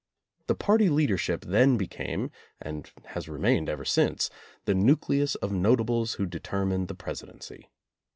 The party leadership then became, and has re mained ever since, the nucleus of notables who de termine the presidency.